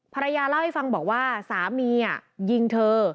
ภรรยาเล่าให้ฟังบอกว่าสามียิงเธอ